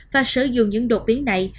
và sử dụng những đột biến này